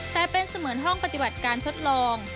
แต่เป็นเสมือนห้องปฏิบัติการทดลอง